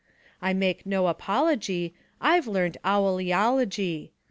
I make no apology; I've learned owl eology.